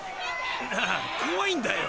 なあ怖いんだよ！